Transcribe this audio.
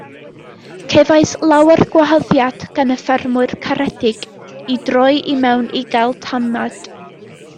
Cefais lawer gwahoddiad gan y ffermwyr caredig i droi i mewn i gael tamaid.